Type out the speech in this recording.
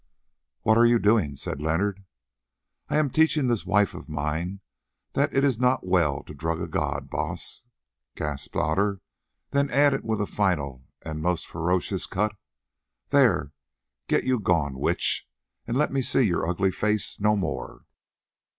"What are you doing?" said Leonard. "I am teaching this wife of mine that it is not well to drug a god, Baas," gasped Otter; then added with a final and most ferocious cut, "There, get you gone, witch, and let me see your ugly face no more."